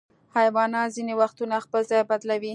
حیوانات ځینې وختونه خپل ځای بدلوي.